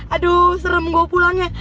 aduh serem gue pulangnya